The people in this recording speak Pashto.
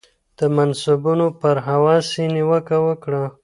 د منصبونو پر هوس یې نیوکه وکړه